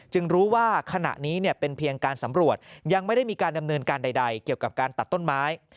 รู้ว่าขณะนี้เป็นเพียงการสำรวจยังไม่ได้มีการดำเนินการใดเกี่ยวกับการตัดต้นไม้